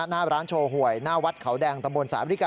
หน้าร้านโชว์หวยหน้าวัดเขาแดงตำบลสาบริกา